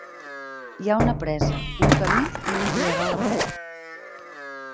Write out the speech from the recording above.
Hi ha una presa, un camí i un rierol a prop.